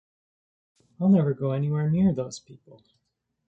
I'll never go anywhere near those people.